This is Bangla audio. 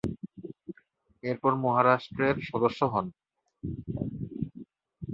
এরপর মহারাষ্ট্রের সদস্য হন।